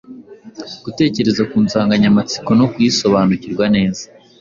Gutekereza ku nsanganyamatsiko no kuyisobanukirwa neza